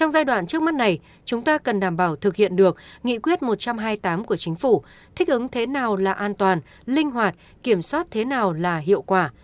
trong giai đoạn trước mắt này chúng ta cần đảm bảo thực hiện được nghị quyết một trăm hai mươi tám của chính phủ thích ứng thế nào là an toàn linh hoạt kiểm soát thế nào là hiệu quả